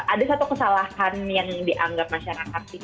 ada satu kesalahan yang dianggap masyarakat sih